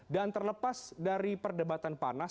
dan terlepas dari perdebatan panas